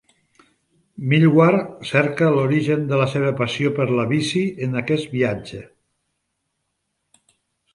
Millward cerca l'origen de la seva passió per la bici en aquest viatge.